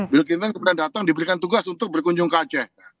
bill kimton kemudian datang diberikan tugas untuk berkunjung ke aceh